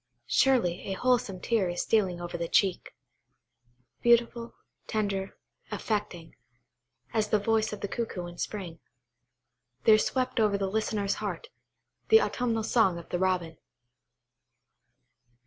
Surely, a wholesome tear is stealing over the cheek. Beautiful, tender, affecting, as the voice of the cuckoo in spring, there swept over the listener's heart, the autumnal song of the Robin.